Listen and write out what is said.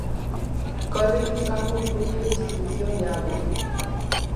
Corres buscando un punto de distribución de auga.